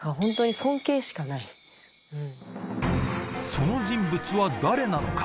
その人物は誰なのか？